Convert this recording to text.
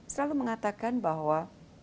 selalu mengatakan bahwa